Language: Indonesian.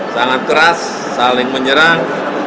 sangat keras saling menyerang